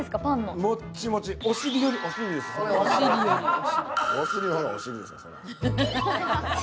もっちもち、お尻よりお尻です。